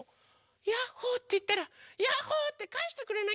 「ヤッホ」っていったら「ヤッホー！」ってかえしてくれなきゃ！